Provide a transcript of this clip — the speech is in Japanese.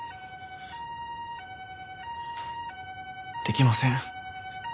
できません。